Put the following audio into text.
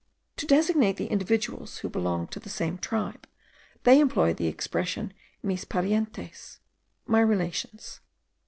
To designate the individuals who belong to the same tribe, they employ the expression mis parientes, my relations.